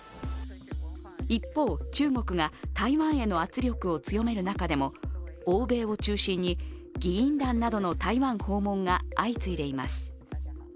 一方、中国が台湾への圧力を強める中でも欧米を中心に、議員団などの台湾訪問が相次いでいます。